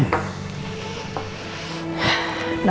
duduk dulu sayang